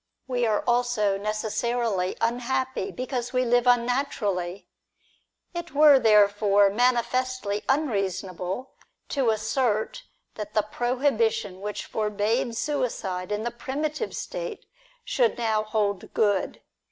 We are also necessarily unhappy because we live unnatu rally. It were therefore manifestly unreasonable to assert that the prohibition which forbade suicide in the primitive state should now hold good.